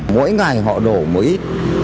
mỗi ngày họ đổ một ít